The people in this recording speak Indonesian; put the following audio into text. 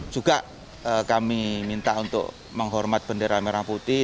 juga kami minta untuk menghormat bendera merah putih